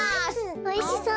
おいしそう。